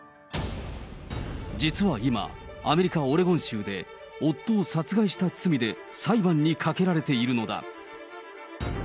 実は今、アメリカ・オレゴン州で、夫を殺害した罪で裁判にかけられているのだ。